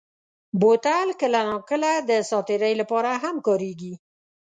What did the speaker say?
بوتل کله ناکله د ساعت تېرۍ لپاره هم کارېږي.